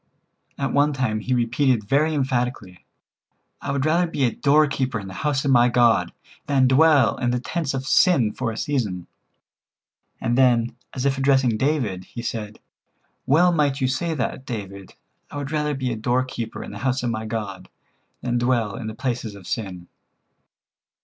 At onetime he repeated very emphatically: "I would rather be a doorkeeper in the house of my God than dwell in the tents of sin for a season," and then, as if addressing David, he said: "Well might you say that, David. I would rather be a doorkeeper in the house of my God than dwell in the palaces of sin."